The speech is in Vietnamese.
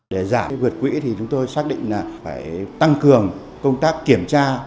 để giảm vượt quỹ thì chúng tôi xác định là phải tăng cường công tác kiểm tra